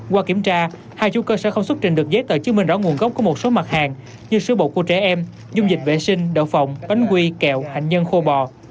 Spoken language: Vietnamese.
qua kiểm tra hai chú cơ sở không xuất trình được giấy tờ chứng minh rõ nguồn gốc của một số mặt hàng như sữa bột của trẻ em dung dịch vệ sinh đậu phòng bánh quy kẹo hành nhân khô bò